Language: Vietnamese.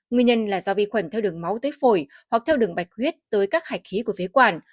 nguyên nhân là do vi khuẩn theo đường máu tuyết phổi hoặc theo đường bạch huyết tới các hải khí của phế quản